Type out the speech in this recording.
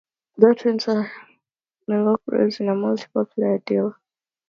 That winter he was sent to the Milwaukee Braves in a multi-player deal.